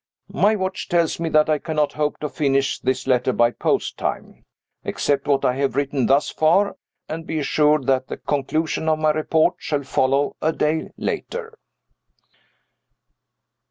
My watch tells me that I cannot hope to finish this letter by post time. Accept what I have written thus far and be assured that the conclusion of my report shall follow a day later.